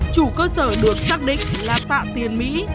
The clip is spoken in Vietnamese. chủ cơ sở được xác định là phạm tiền mỹ